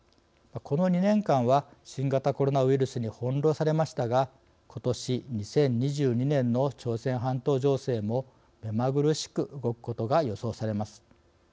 この２年間は新型コロナウイルスに翻弄されましたがことし２０２２年の朝鮮半島情勢も目まぐるしく動くことが予想されます。